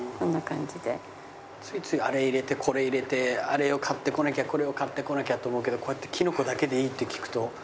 ついついあれ入れてこれ入れてあれを買ってこなきゃこれを買ってこなきゃって思うけどこうやってキノコだけでいいって聞くと。